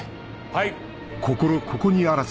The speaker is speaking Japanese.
はい。